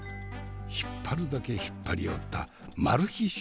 引っ張るだけ引っ張りおったマル秘